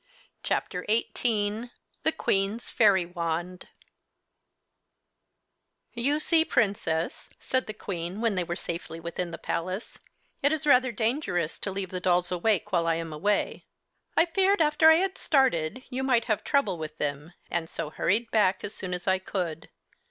CHAPTER 14 The Queen's Fairy Wand "You see, Princess," said the Queen, when they were safely within the palace, "it is rather dangerous to leave the dolls awake while I am away. I feared, after I had started, you might have trouble with them, and so hurried back as soon as I could.